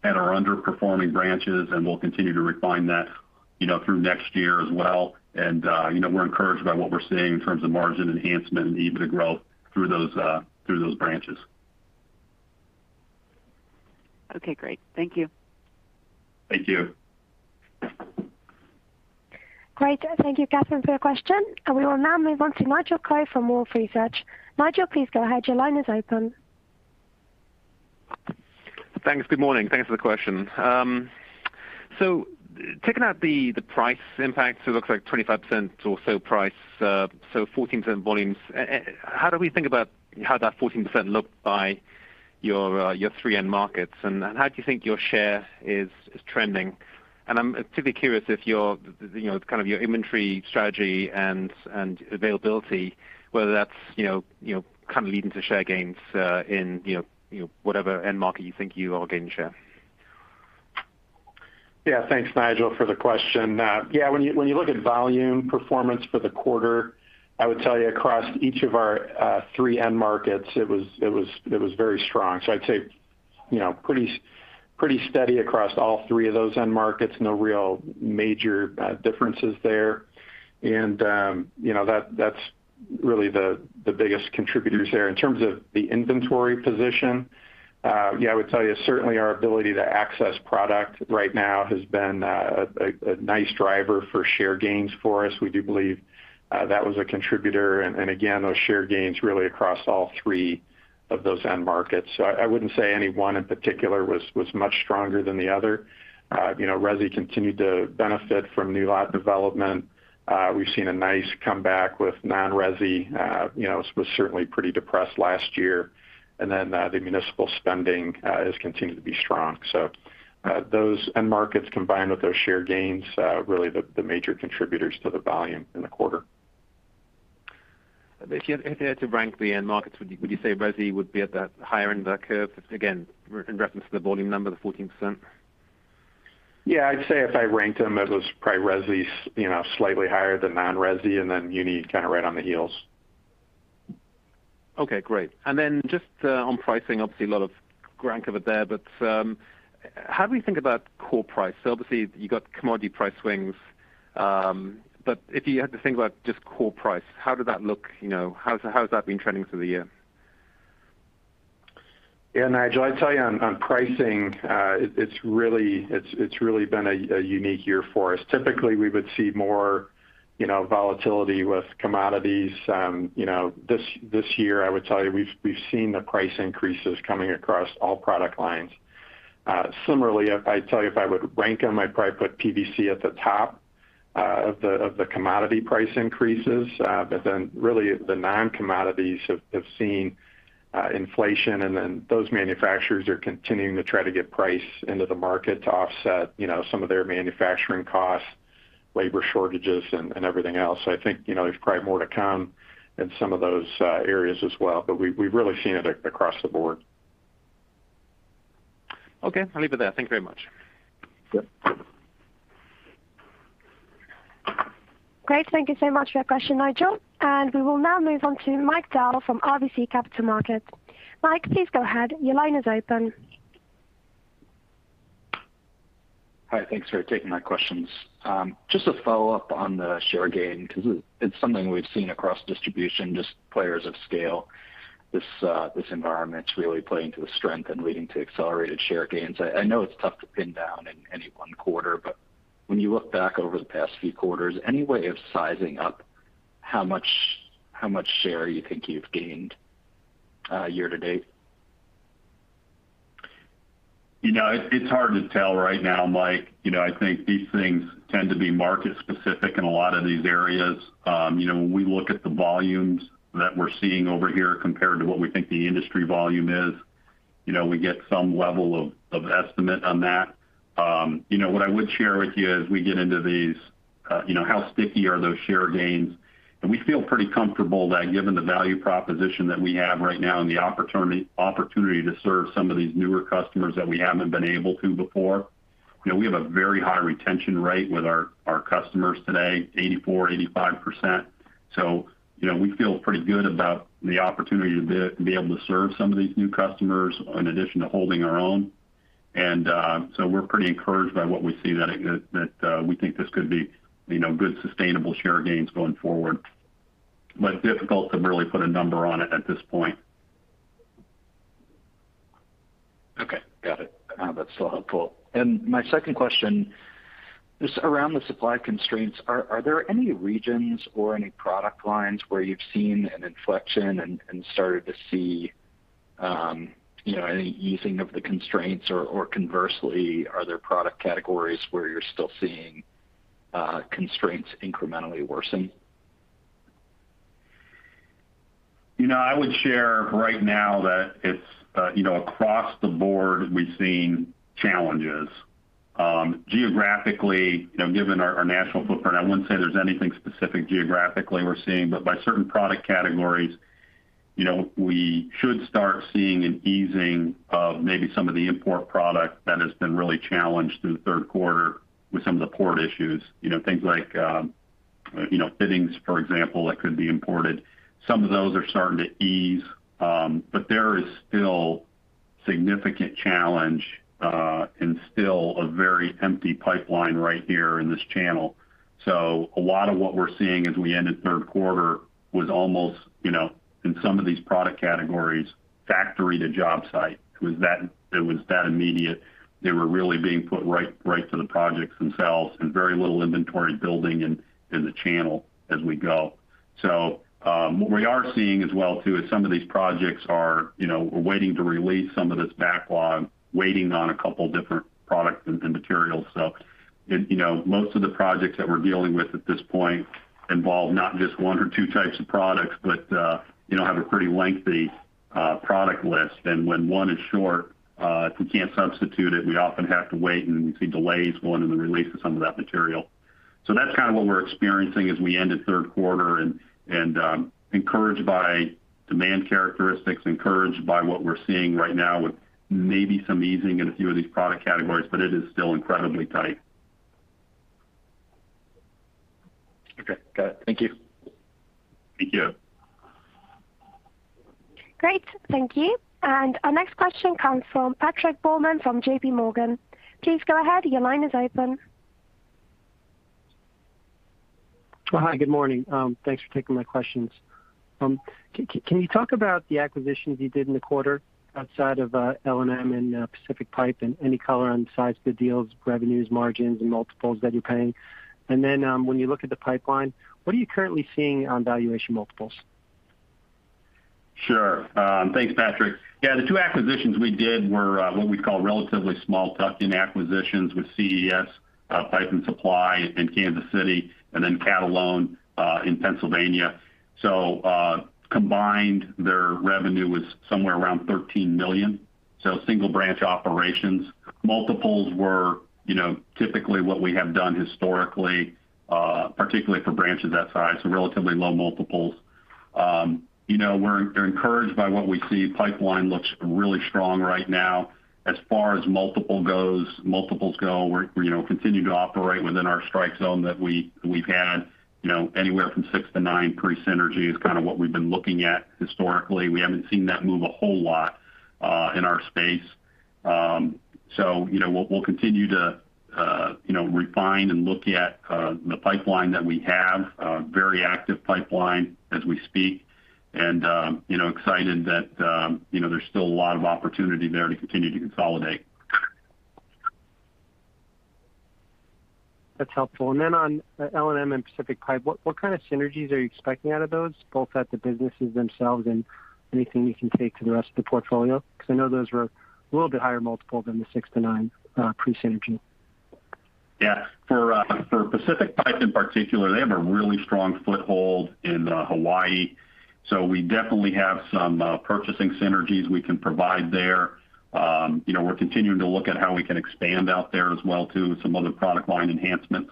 at our underperforming branches, and we'll continue to refine that, you know, through next year as well. You know, we're encouraged by what we're seeing in terms of margin enhancement and EBITDA growth through those branches. Okay, great. Thank you. Thank you. Great. Thank you, Kathryn, for your question. We will now move on to Nigel Coe from Wolfe Research. Nigel, please go ahead. Your line is open. Thanks. Good morning. Thanks for the question. So taking out the price impact, it looks like 25% or so price, so 14% volumes. How do we think about how that 14% look by your three end markets? And how do you think your share is trending? And I'm particularly curious if your you know kind of your inventory strategy and availability, whether that's you know kind of leading to share gains in you know whatever end market you think you are gaining share. Yeah. Thanks, Nigel, for the question. Yeah, when you look at volume performance for the quarter, I would tell you across each of our three end markets, it was very strong. I'd say, you know, pretty steady across all three of those end markets. No real major differences there. You know, that's really the biggest contributors there. In terms of the inventory position, yeah, I would tell you certainly our ability to access product right now has been a nice driver for share gains for us. We do believe that was a contributor and again, those share gains really across all three of those end markets. I wouldn't say any one in particular was much stronger than the other. You know, resi continued to benefit from new lot development. We've seen a nice comeback with non-resi, you know, it was certainly pretty depressed last year. The municipal spending has continued to be strong. Those end markets combined with those share gains are really the major contributors to the volume in the quarter. If you had to rank the end markets, would you say resi would be at the higher end of the curve, again, in reference to the volume number, the 14%? Yeah. I'd say if I ranked them, it was probably resi's, you know, slightly higher than non-resi, and then muni kind of right on the heels. Okay, great. Then just on pricing, obviously a lot of ground covered there, but how do we think about core price? Obviously you got commodity price swings. If you had to think about just core price, how did that look? You know, how's that been trending through the year? Yeah, Nigel, I'd tell you on pricing. It's really been a unique year for us. Typically, we would see more, you know, volatility with commodities. You know, this year, I would tell you we've seen the price increases coming across all product lines. Similarly, if I would rank them, I'd probably put PVC at the top of the commodity price increases. But then really the non-commodities have seen inflation, and then those manufacturers are continuing to try to get price into the market to offset, you know, some of their manufacturing costs, labor shortages and everything else. I think, you know, there's probably more to come in some of those areas as well, but we've really seen it across the board. Okay. I'll leave it there. Thank you very much. Yep. Great. Thank you so much for your question, Nigel. We will now move on to Michael Dahl from RBC Capital Markets. Mike, please go ahead. Your line is open. Hi. Thanks for taking my questions. Just a follow-up on the share gain because it's something we've seen across distribution, just players of scale. This environment's really playing to the strength and leading to accelerated share gains. I know it's tough to pin down in any one quarter, but when you look back over the past few quarters, any way of sizing up how much share you think you've gained, year to date? You know, it's hard to tell right now, Mike. You know, I think these things tend to be market specific in a lot of these areas. You know, when we look at the volumes that we're seeing over here compared to what we think the industry volume is, you know, we get some level of estimate on that. You know what I would share with you as we get into these, you know, how sticky are those share gains? We feel pretty comfortable that given the value proposition that we have right now and the opportunity to serve some of these newer customers that we haven't been able to before, you know, we have a very high retention rate with our customers today, 84%-85%. You know, we feel pretty good about the opportunity to be able to serve some of these new customers in addition to holding our own. We're pretty encouraged by what we see that we think this could be, you know, good sustainable share gains going forward, but difficult to really put a number on it at this point. Okay. Got it. That's still helpful. My second question is around the supply constraints. Are there any regions or any product lines where you've seen an inflection and started to see, you know, any easing of the constraints? Or conversely, are there product categories where you're still seeing constraints incrementally worsen? You know, I would share right now that it's, you know, across the board, we've seen challenges. Geographically, you know, given our national footprint, I wouldn't say there's anything specific geographically we're seeing, but by certain product categories, you know, we should start seeing an easing of maybe some of the import product that has been really challenged through the third quarter with some of the port issues. You know, things like, you know, fittings, for example, that could be imported. Some of those are starting to ease, but there is still significant challenge, and still a very empty pipeline right here in this channel. A lot of what we're seeing as we end the third quarter was almost, you know, in some of these product categories, factory to job site. It was that immediate. They were really being put right to the projects themselves and very little inventory building in the channel as we go. What we are seeing as well too is some of these projects are, you know, we're waiting to release some of this backlog, waiting on a couple different products and materials. You know, most of the projects that we're dealing with at this point involve not just one or two types of products, but, you know, have a pretty lengthy product list. When one is short, if we can't substitute it, we often have to wait, and then we see delays going in the release of some of that material. That's kind of what we're experiencing as we end in third quarter and encouraged by demand characteristics, encouraged by what we're seeing right now with maybe some easing in a few of these product categories, but it is still incredibly tight. Okay. Got it. Thank you. Thank you. Great. Thank you. Our next question comes from Patrick Baumann from JP Morgan. Please go ahead. Your line is open. Hi. Good morning. Thanks for taking my questions. Can you talk about the acquisitions you did in the quarter outside of L&M and Pacific Pipe, and any color on the size of the deals, revenues, margins, and multiples that you're paying? When you look at the pipeline, what are you currently seeing on valuation multiples? Thanks, Patrick. Yeah, the two acquisitions we did were what we'd call relatively small tuck-in acquisitions with CES Pipe & Supply in Kansas City and then Catalone in Pennsylvania. Combined, their revenue was somewhere around $13 million, single branch operations. Multiples were, you know, typically what we have done historically, particularly for branches that size, so relatively low multiples. You know, we're encouraged by what we see. Pipeline looks really strong right now. As far as multiples go, we're, you know, continue to operate within our strike zone that we've had, you know, anywhere from 6-9 pre-synergy is kind of what we've been looking at historically. We haven't seen that move a whole lot in our space. So, you know, we'll continue to you know, refine and look at the pipeline that we have, a very active pipeline as we speak. You know, we're excited that you know, there's still a lot of opportunity there to continue to consolidate. That's helpful. On L&M and Pacific Pipe, what kind of synergies are you expecting out of those, both at the businesses themselves and anything you can take to the rest of the portfolio? Because I know those were a little bit higher multiple than the 6-9 pre-synergy. Yeah. For Pacific Pipe in particular, they have a really strong foothold in Hawaii. So we definitely have some purchasing synergies we can provide there. You know, we're continuing to look at how we can expand out there as well too, with some other product line enhancements.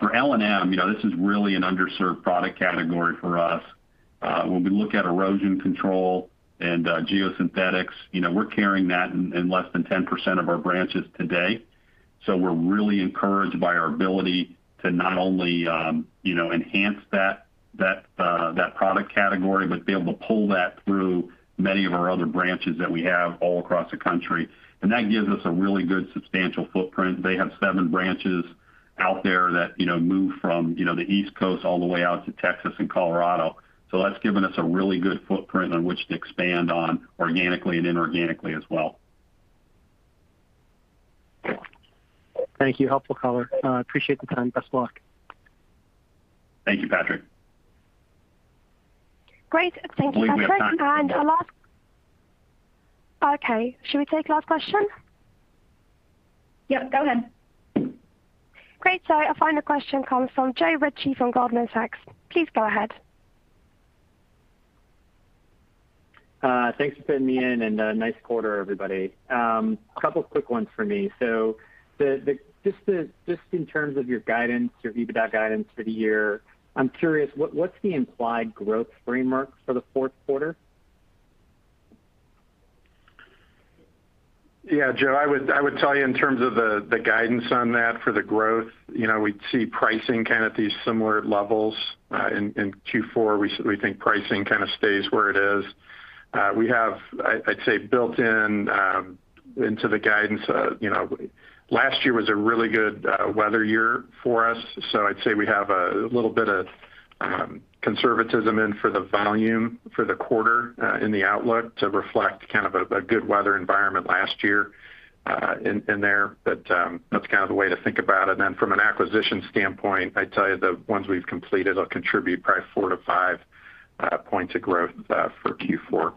For L&M, you know, this is really an underserved product category for us. When we look at erosion control and geosynthetics, you know, we're carrying that in less than 10% of our branches today. So we're really encouraged by our ability to not only enhance that product category, but be able to pull that through many of our other branches that we have all across the country. That gives us a really good substantial footprint. They have seven branches out there that, you know, move from, you know, the East Coast all the way out to Texas and Colorado. That's given us a really good footprint on which to expand on organically and inorganically as well. Thank you. Helpful color. Appreciate the time. Best luck. Thank you, Patrick. Great. Thank you, Patrick. I believe we have time for one more. Okay, shall we take last question? Yep, go ahead. Great. Our final question comes from Joe Ritchie from Goldman Sachs. Please go ahead. Thanks for fitting me in, and a nice quarter, everybody. A couple quick ones for me. Just in terms of your guidance, your EBITDA guidance for the year, I'm curious what's the implied growth framework for the fourth quarter? Yeah. Joe, I would tell you in terms of the guidance on that for the growth, you know, we see pricing kind of at these similar levels. In Q4, we think pricing kind of stays where it is. We have, I'd say, built into the guidance. You know, last year was a really good weather year for us, so I'd say we have a little bit of conservatism in for the volume for the quarter in the outlook to reflect kind of a good weather environment last year in there. That's kind of the way to think about it. Then from an acquisition standpoint, I'd tell you the ones we've completed will contribute probably four- five points of growth for Q4.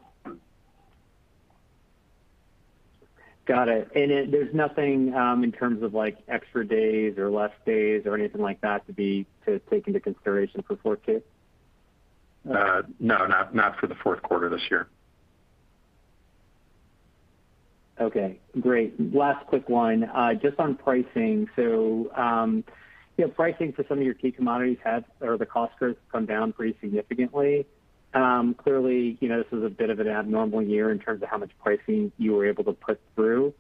Got it. There's nothing in terms of like extra days or less days or anything like that to take into consideration for 4Q? No, not for the fourth quarter this year. Okay, great. Last quick one, just on pricing. You know, pricing for some of your key commodities have, or the cost curves come down pretty significantly. Clearly, you know, this is a bit of an abnormal year in terms of how much pricing you were able to put through.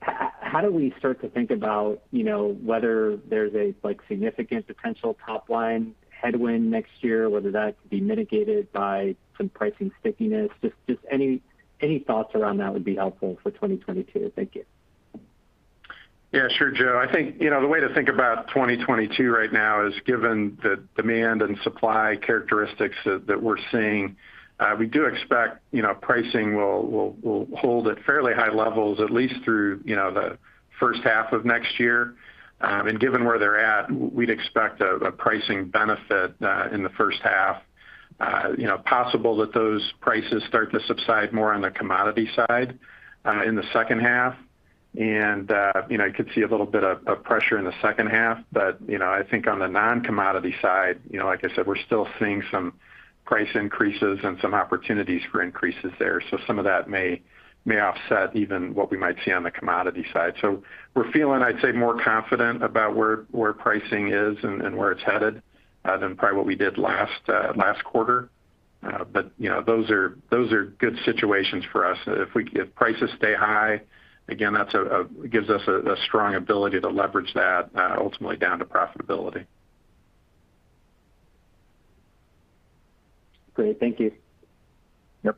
How do we start to think about, you know, whether there's a like significant potential top line headwind next year, whether that could be mitigated by some pricing stickiness? Any thoughts around that would be helpful for 2022. Thank you. Yeah, sure, Joe. I think, you know, the way to think about 2022 right now is given the demand and supply characteristics that we're seeing, we do expect, you know, pricing will hold at fairly high levels at least through, you know, the first half of next year. Given where they're at, we'd expect a pricing benefit in the first half. You know, it's possible that those prices start to subside more on the commodity side in the second half. You know, you could see a little bit of pressure in the second half. I think on the non-commodity side, you know, like I said, we're still seeing some price increases and some opportunities for increases there. Some of that may offset even what we might see on the commodity side. We're feeling, I'd say, more confident about where pricing is and where it's headed than probably what we did last quarter. You know, those are good situations for us. If prices stay high, again, that gives us a strong ability to leverage that ultimately down to profitability. Great. Thank you. Yep.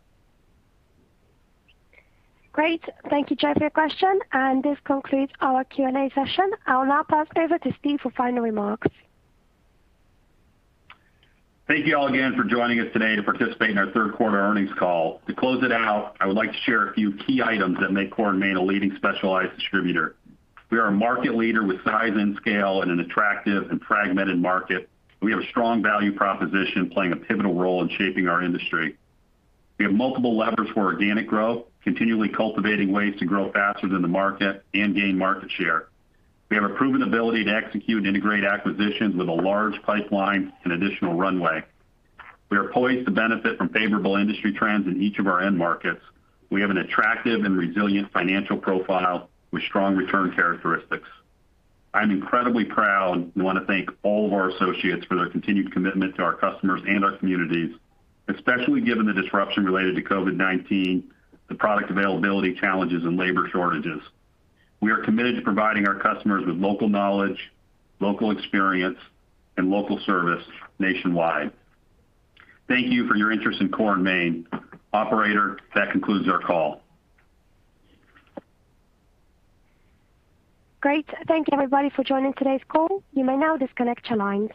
Great. Thank you, Joe, for your question. This concludes our Q&A session. I'll now pass over to Steve for final remarks. Thank you all again for joining us today to participate in our third quarter earnings call. To close it out, I would like to share a few key items that make Core & Main a leading specialized distributor. We are a market leader with size and scale in an attractive and fragmented market. We have a strong value proposition playing a pivotal role in shaping our industry. We have multiple levers for organic growth, continually cultivating ways to grow faster than the market and gain market share. We have a proven ability to execute and integrate acquisitions with a large pipeline and additional runway. We are poised to benefit from favorable industry trends in each of our end markets. We have an attractive and resilient financial profile with strong return characteristics. I'm incredibly proud and wanna thank all of our associates for their continued commitment to our customers and our communities, especially given the disruption related to COVID-19, the product availability challenges, and labor shortages. We are committed to providing our customers with local knowledge, local experience, and local service nationwide. Thank you for your interest in Core & Main. Operator, that concludes our call. Great. Thank you everybody for joining today's call. You may now disconnect your lines.